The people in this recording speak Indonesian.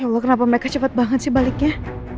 ya allah kenapa mereka cepet banget sih baliknya